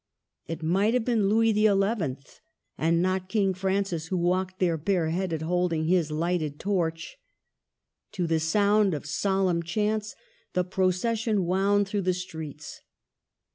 It might have been Louis XL and not King Francis who walked there bareheaded, holding his lighted torch. To the sound of solemn chants, the procession wound through the streets.